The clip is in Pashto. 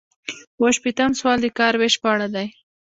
اووه شپیتم سوال د کار ویش په اړه دی.